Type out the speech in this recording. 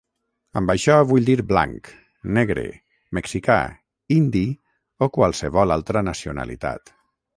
Amb això vull dir blanc, negre, mexicà, indi o qualsevol altra nacionalitat.